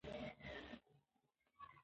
که باران نه وای نو وچکالي به وه.